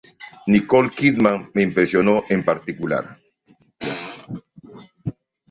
Nicole Kidman me impresionó en particular".